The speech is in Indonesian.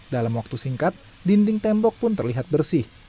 dalam waktu singkat dinding tembok pun terlihat bersih